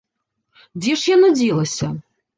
Дзе ж яно дзелася?